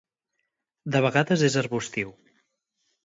De vegades és arbustiu.